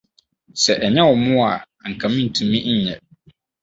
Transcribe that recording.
Sɛ ɛnyɛ wo mmoa a, anka mintumi nyɛ.